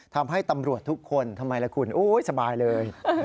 ทำให้ตำรวจทุกคนทำไมล่ะคุณโอ๊ยสบายเลย